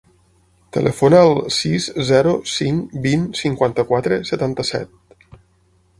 Telefona al sis, zero, cinc, vint, cinquanta-quatre, setanta-set.